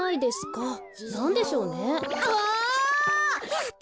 やった。